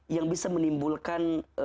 yang bisa menimbulkan